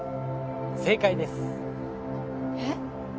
正解ですえっ？